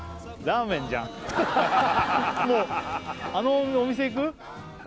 もうあのお店行く？